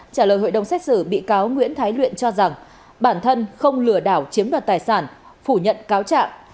trả lời hội đồng xét xử bị cáo nguyễn thái luyện cho rằng bản thân không lừa đảo chiếm đoạt tài sản phủ nhận cáo trạng